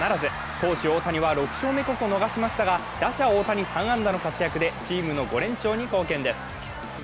投手・大谷は６勝目こそ逃しましたが打者・大谷３安打の活躍でチームの５連勝に貢献です。